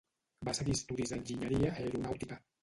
Va seguir estudis d'enginyeria aeronàutica.